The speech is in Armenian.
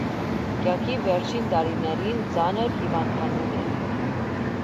Կյանքի վերջին տարիներին ծանր հիվանդանում է։